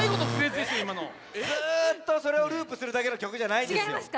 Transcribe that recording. ずっとそれをループするだけの曲じゃないんですよ。